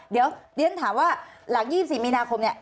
เดี๋ยวเรียนถามว่าหลัง๒๔มีนาคมเนี่ย